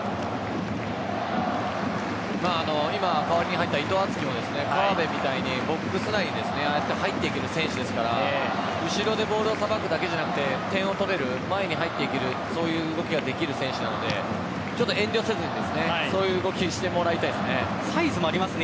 今、代わりに入った伊藤敦樹も川辺みたいにボックス内に入っていける選手ですから後ろでボールをさばくだけじゃなくて点を取れる前に入っていけるそういう動きができる選手なので遠慮せずにそういう動きサイズもありますね